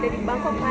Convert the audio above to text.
harganya berapa tuh